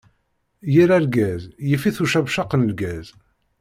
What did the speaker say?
Yir rgaz, yif-it ucabcaq n lgaz.